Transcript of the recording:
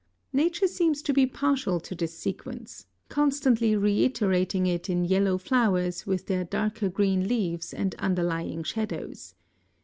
Nature seems to be partial to this sequence, constantly reiterating it in yellow flowers with their darker green leaves and underlying shadows.